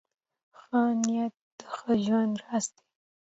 ښه نیت د ښه ژوند راز دی .